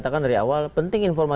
aku harus mencengkiri